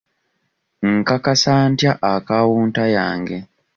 Nkakasa ntya akawunta yange?